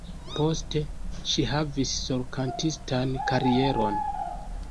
Poste ŝi havis solkantistan karieron.